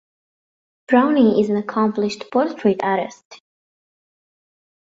Browne is an accomplished portrait artist.